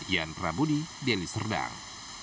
ian prabudi deliserdang